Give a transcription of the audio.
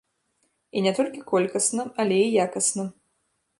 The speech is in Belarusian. І не толькі колькасна, але і якасна.